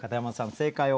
正解。